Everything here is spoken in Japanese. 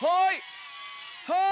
はい！